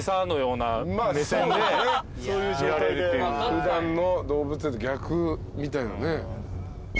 普段の動物園と逆みたいなね。